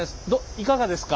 いかがですか？